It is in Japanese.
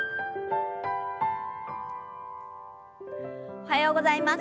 おはようございます。